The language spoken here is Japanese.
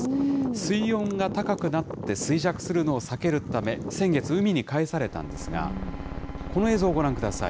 水温が高くなって、衰弱するのを避けるため、先月、海に帰されたんですが、この映像をご覧ください。